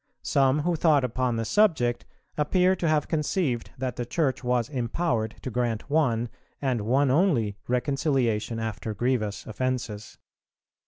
Some who thought upon the subject appear to have conceived that the Church was empowered to grant one, and one only, reconciliation after grievous offences.